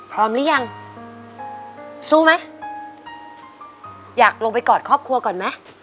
หรือยังสู้ไหมอยากลงไปกอดครอบครัวก่อนไหม